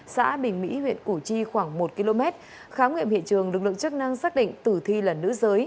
xã bình mỹ huyện củ chi khoảng một km khám nghiệm hiện trường lực lượng chức năng xác định tử thi là nữ giới